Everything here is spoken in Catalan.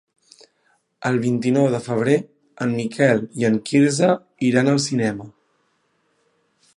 El vint-i-nou de febrer en Miquel i en Quirze iran al cinema.